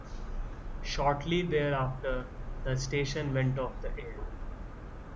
Shortly thereafter, the station went off the air.